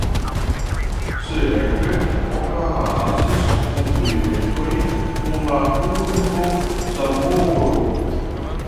Sekve okazis konfliktoj kun la urbo Zamoro.